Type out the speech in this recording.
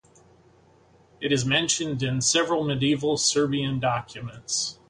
It is mentioned in several medieval Serbian documents.